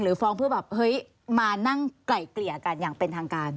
หรือฟ้องเพื่อมานั่งไกล่เกลี่ยกันอย่างเป็นทางการ